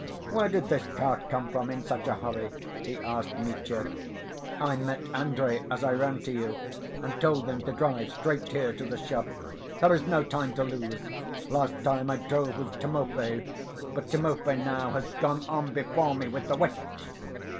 "Where did this cart come from in such a hurry?" he asked Mitya. "I met Andrey as I ran to you, and told him to drive straight here to the shop. There's no time to lose. Last time I drove with Timofey, but Timofey now has gone on before me with the witch.